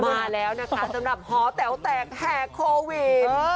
มาแล้วนะคะเต๋วแตกแห่งโควิด